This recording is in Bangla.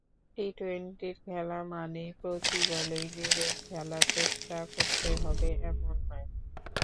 টি-টোয়েন্টির খেলা মানেই প্রতি বলেই মেরে খেলার চেষ্টা করতে হবে, এমন নয়।